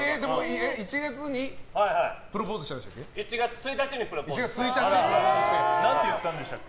１月にプロポーズしたんでしたっけ？